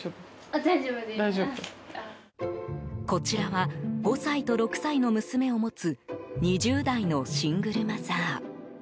こちらは５歳と６歳の娘を持つ２０代のシングルマザー。